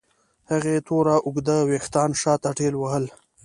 هغې تور اوږده وېښتان شاته ټېلوهل.